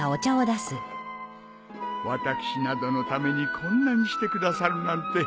私などのためにこんなにしてくださるなんて。